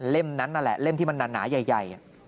นั้นนั่นแหละเล่มที่มันหนาใหญ่